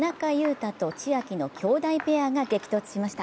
汰と千秋のきょうだいペアが激突しました。